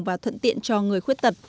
và thuận tiện cho người khuyết tật